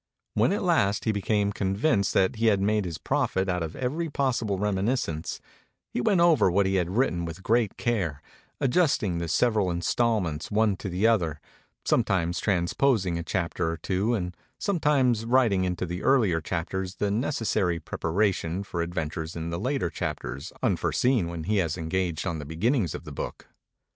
When at last he became convinced that he had made his profit out of every possible reminiscence, he went over what he had written with great care, adjusting the several instalments one to the other, some times transposing a chapter or two and some times writing into the earlii T chapters the neces sary preparation for adventures in the Liter 265 MEMORIES OF MARK TWAIN chapters unforeseen when he was engaged on the beginnings of the book.